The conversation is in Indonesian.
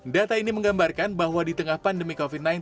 data ini menggambarkan bahwa di tengah pandemi covid sembilan belas